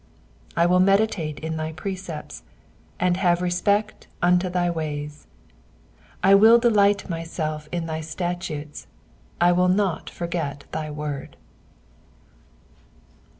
15 I will meditate in thy precepts, and have respect unto thy ways. 16 I will delight myself in thy statutes : I will not forget thy word.